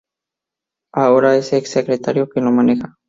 Ahora es ex secretario quien lo maneja.